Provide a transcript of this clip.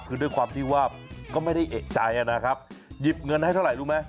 คือด้วยความที่ว่าก็ไม่ได้เอกใจนะครับหยิบเงินให้เท่าไหร่รู้ไหม